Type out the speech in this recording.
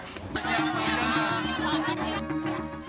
jangan lupa untuk berlangganan